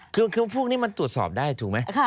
คือพวกนี้มันตรวจสอบได้ถูกไหม